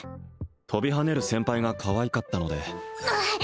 跳びはねる先輩がかわいかったのでんあっ！